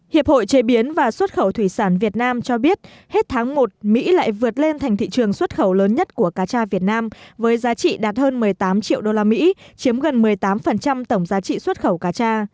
hiệp hội chế biến và xuất khẩu thủy sản việt nam cho biết hết tháng một mỹ lại vượt lên thành thị trường xuất khẩu lớn nhất của cá tra việt nam với giá trị đạt hơn một mươi tám triệu usd chiếm gần một mươi tám tổng giá trị xuất khẩu cá tra